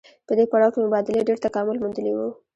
په دې پړاو کې مبادلې ډېر تکامل موندلی وو